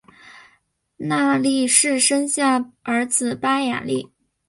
纳喇氏生下儿子巴雅喇。